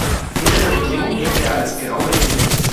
Hinter der Regierung wirkte er als „Graue Eminenz“.